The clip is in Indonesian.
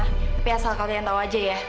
tapi asal kalian tahu aja ya